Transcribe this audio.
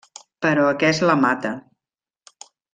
Però aquest la mata.